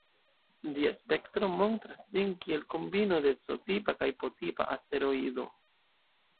Ĝia spektro montras ĝin kiel kombino de C-tipa kaj P-tipa asteroido.